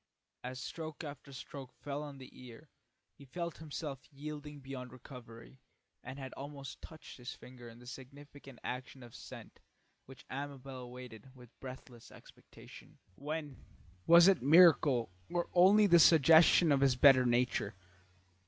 As stroke after stroke fell on the ear, he felt himself yielding beyond recovery, and had almost touched his finger in the significant action of assent which Amabel awaited with breathless expectation, when was it miracle or only the suggestion of his better nature?